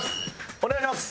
お願いします。